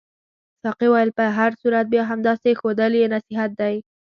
ساقي وویل په هر صورت بیا هم داسې ښودل یې نصیحت دی.